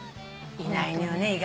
いないのよね